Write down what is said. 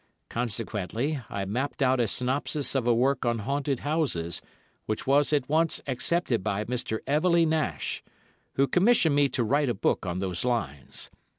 Consequently, I mapped out a synopsis of a work on haunted houses, which was at once accepted by Mr. Eveleigh Nash, who commissioned me to write a book on those lines.